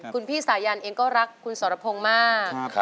คุณพี่สายันเองก็รักคุณสรพงศ์มาก